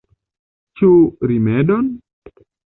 Ĉu rimedon?